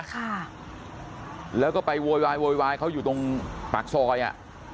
ละจ้าแล้วก็ไปโวยวายเขาอยู่ตรงปากซ้อยอ่ะ